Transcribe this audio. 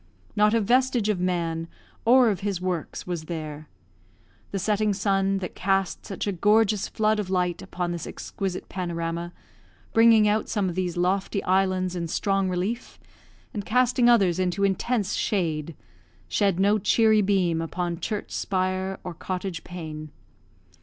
Not a vestige of man, or of his works, was there. The setting sun that cast such a gorgeous flood of light upon this exquisite panorama, bringing out some of these lofty islands in strong relief, and casting others into intense shade, shed no cheery beam upon church spire or cottage pane.